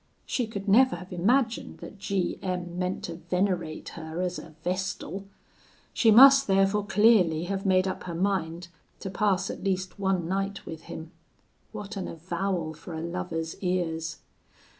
She could never have imagined that G M meant to venerate her as a vestal. She must therefore clearly have made up her mind to pass at least one night with him. What an avowal for a lover's ears!